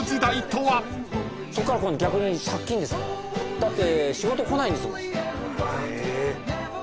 だって仕事来ないんですもん。